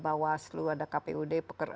bawaslu ada kpud